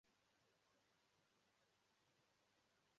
maka na a naghị esi ofe ọgbọnọ n'ejighị ọgbọnọ